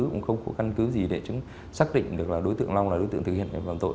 cũng không có căn cứ gì để xác định được là đối tượng long là đối tượng thực hiện phạm tội